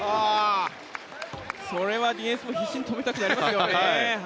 それはディフェンスも必死に止めたくなりますよね。